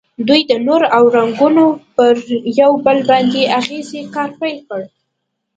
دوی د نور او رنګونو پر یو بل باندې اغیزې کار پیل کړ.